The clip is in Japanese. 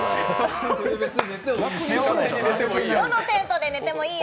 どのテントで寝てもいいよ。